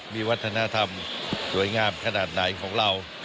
มีวัฒนธรรมสวยงามขนาดไหนของเรา